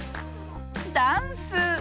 ダンス。